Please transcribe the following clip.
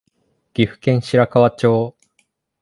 岐阜県白川町